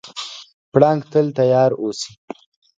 پړانګ تل تیار اوسي.